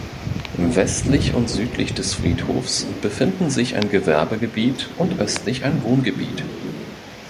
Westlich und südlich des Friedhofs befinden sich ein Gewerbegebiet und östlich ein Wohngebiet.